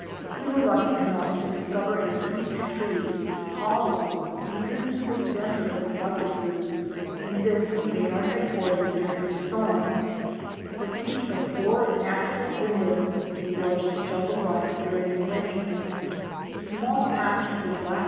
We were lucky enough to discover a huge tree, hollow, even to the centre of the buttresses and this we made our headquarters during the storm. From each of four natural windows we watched the jungle life during the rain. A small patch of the black 346 OUR SEARCH FOR A WILDERNESS. Fic.